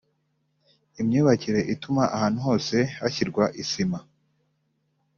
Imyubakire ituma ahantu hose hashyirwa isima